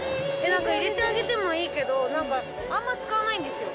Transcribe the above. なんか入れてあげてもいいけど、なんかあんまり使わないんですよ。